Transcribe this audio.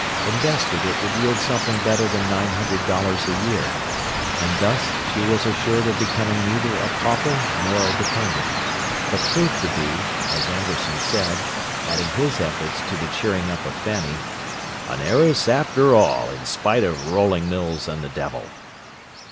Invested, it would yield something better than nine hundred dollars a year, and thus she was assured of becoming neither a pauper nor a dependent, but proved to be, as Amberson said, adding his efforts to the cheering up of Fanny, "an heiress, after all, in spite of rolling mills and the devil."